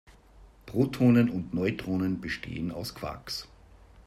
Protonen und Neutronen bestehen aus Quarks.